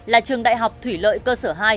là trường đại học thủy lợi cơ sở hai